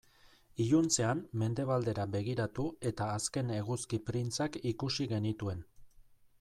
Iluntzean mendebaldera begiratu eta azken eguzki printzak ikusi genituen.